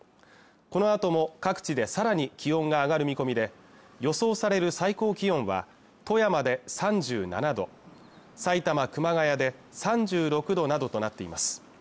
このあとも各地でさらに気温が上がる見込みで予想される最高気温は富山で３７度埼玉熊谷で３６度などとなっています